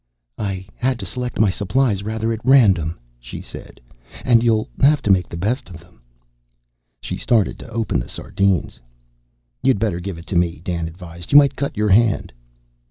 "I had to select my supplies rather at random," she said, "and you'll have to make the best of them." She started to open the sardines. "You'd better give it to me," Dan advised. "You might cut your hand."